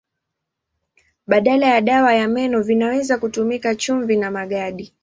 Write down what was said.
Badala ya dawa ya meno vinaweza kutumika chumvi na magadi.